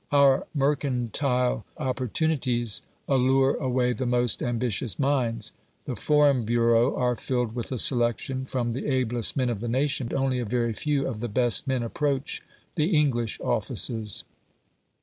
Our mercantile opportunities allure away the most ambitious minds. The foreign bureaux are filled with a selection from the ablest men of the nation, but only a very few of the best men approach the English offices.